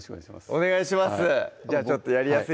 お願いします